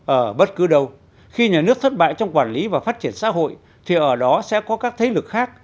ở bất cứ đâu khi nhà nước thất bại trong quản lý và phát triển xã hội thì ở đó sẽ có các thế lực khác